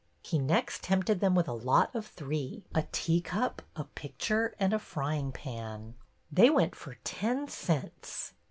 He next tempted them with a lot of three, a teacup, a picture, and a frying pan. They went for ten cents!